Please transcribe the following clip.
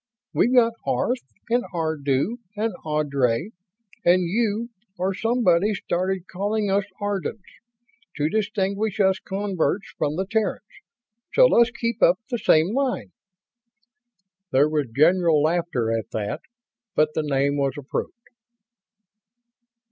"We've had 'Arth' and 'Ardu' and 'Ardry' and you or somebody started calling us 'Ardans' to distinguish us converts from the Terrans. So let's keep up the same line." There was general laughter at that, but the name was approved.